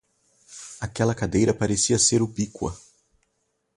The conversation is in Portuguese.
Aquela cadeira parecia ser ubíqua.